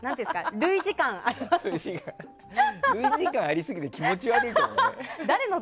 類似感ありすぎて気持ち悪いわ。